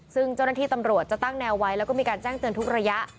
ซึ่งเจ้าหน้าที่ตำรวจจะตั้งแนวไว้แล้วก็มีการแจ้งเตือนทุกระยะ